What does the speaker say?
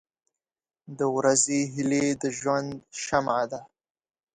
• د ورځې هیلې د ژوند شمع ده.